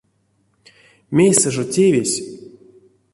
Мейсэ жо тевесь?